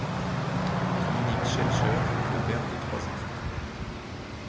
Dominique Schelcher est le père de trois enfants.